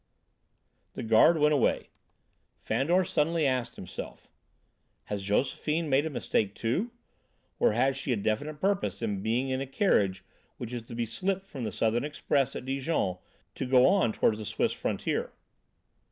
The guard went away. Fandor suddenly asked himself: "Has Josephine made a mistake, too? Or has she a definite purpose in being in a carriage which is to be slipped from the Southern Express at Dijon to go on toward the Swiss frontier?"